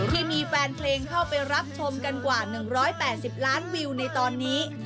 ที่มีแฟนเพลงเข้าไปรับชมกันกว่า๑๘๐ล้านวิวในตอนนี้